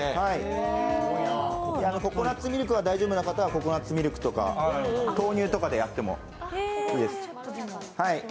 ココナッツミルクが大丈夫な方はココナッツミルクとか、豆乳とかでやってもいいです。